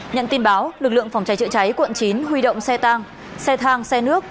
nhận tin báo lực lượng phòng cháy chữa cháy quận chín huy động xe tang xe thang xe nước